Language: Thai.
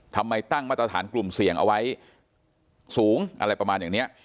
ทำไมตั้งมาตรฐานกลุ่มเสี่ยงเอาไว้สูงอะไรประมาณอย่างนี้